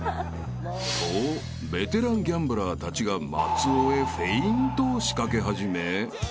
［とベテランギャンブラーたちが松尾へフェイントを仕掛け始め］